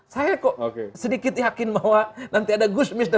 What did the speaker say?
saya kok sedikit yakin bahwa nanti ada gusmi samadara